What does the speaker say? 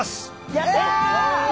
やった！